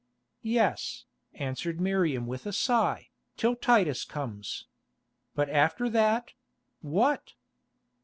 "Yes," answered Miriam with a sigh, "till Titus comes. But after that—what?"